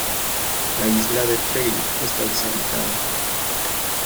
La isla de Traill está deshabitada.